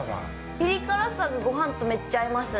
ピリ辛さがごはんとめっちゃ合いますね。